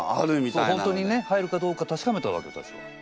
そう本当にね入るかどうかたしかめたわけわたしは。